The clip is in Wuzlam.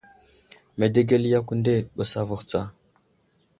Medegel yakw ghe ɓəs avohw tsa.